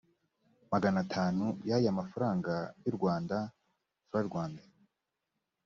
magana atanu ya y amafaranga y urwanda frw